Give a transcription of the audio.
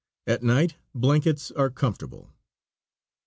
At night blankets are comfortable.